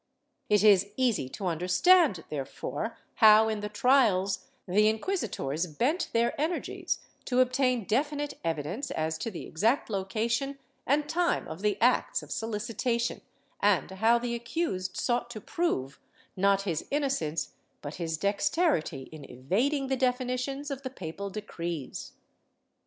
^ It is easy to miderstand, therefore, how, in the trials, the inquisitors bent their energies to obtain definite evidence as to the exact location and time of the acts of sohcitation, and how the accused sought to prove, not his innocence, but his dexterity in evading the definitions of the papal decrees.